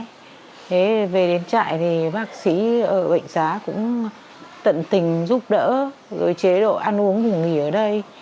thế về đến trại thì bác sĩ ở bệnh xá cũng tận tình giúp đỡ rồi chế độ ăn uống ngủ nghỉ ở đây